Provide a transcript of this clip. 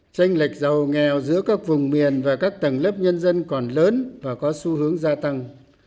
tranh lệch giàu nghèo giữa các vùng miền và các tầng lớp nhân dân còn lớn và có xu hướng gia tăng